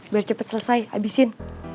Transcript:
biar cepet selesai habisin